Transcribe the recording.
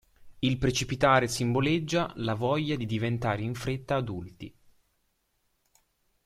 Il precipitare simboleggia la voglia di diventare in fretta adulti.